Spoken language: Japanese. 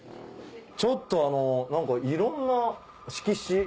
ちょっといろんな色紙。